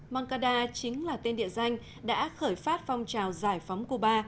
mankada chính là tên địa danh đã khởi phát phong trào giải phóng cuba